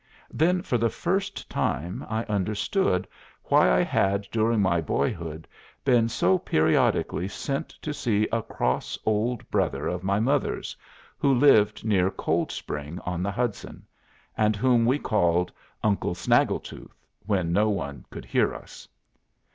Then for the first time I understood why I had during my boyhood been so periodically sent to see a cross old brother of my mother's, who lived near Cold Spring on the Hudson, and whom we called Uncle Snaggletooth when no one could hear us.